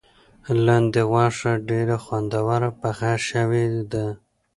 لاندي غوښه ډېره خوندوره پخه شوې ده.